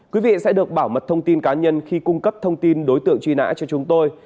quý vị sẽ được bảo mật thông tin cá nhân khi cung cấp thông tin đối tượng truy nã cho chúng tôi